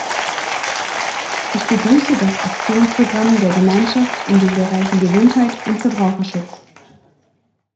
Ich begrüße das Aktionsprogramm der Gemeinschaft in den Bereichen Gesundheit und Verbraucherschutz.